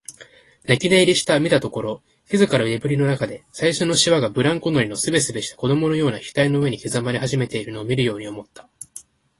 泣き寝入りした、見たところ静かな眠りのなかで、最初のしわがブランコ乗りのすべすべした子供のような額の上に刻まれ始めているのを見るように思った。